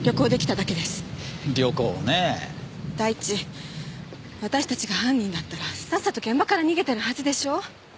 だいいち私たちが犯人だったらさっさと現場から逃げてるはずでしょう？